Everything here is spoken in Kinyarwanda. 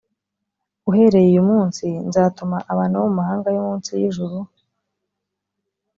uhereye uyu munsi nzatuma abantu bo mu mahanga yo munsi y’ijuru